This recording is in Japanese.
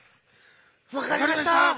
わかりました！